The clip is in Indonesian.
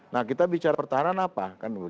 nah kita bicara pertahanan apa